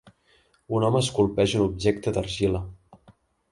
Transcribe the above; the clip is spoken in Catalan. Un home esculpeix un objecte d'argila